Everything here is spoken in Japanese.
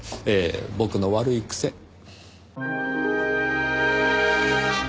ええ僕の悪い癖。